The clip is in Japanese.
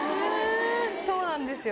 そうなんですよ。